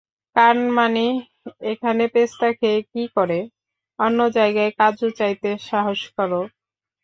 কানমাণি এখানে পেস্তা খেয়ে কী করে অন্য জায়গায় কাজু চাইতে সাহস করো।